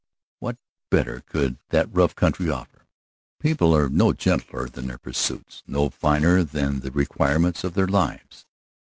What better could that rough country offer? People are no gentler than their pursuits, no finer than the requirements of their lives.